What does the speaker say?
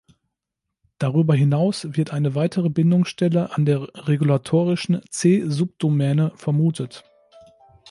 Darüber hinaus wird eine weitere Bindungsstelle an der regulatorischen C-Subdomäne vermutet.